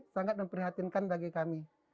sangat memperhatikan bagi kami